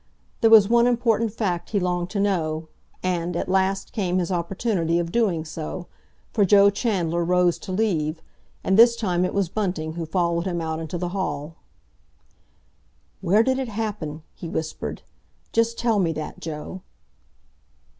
There was one important fact he longed to know, and at last came his opportunity of doing so, for Joe Chandler rose to leave, and this time it was Bunting who followed him out into the hall. "Where did it happen?" he whispered. "Just tell me that, Joe?"